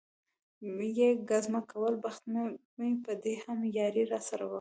یې ګزمه کول، بخت مې په دې هم یاري را سره وکړل.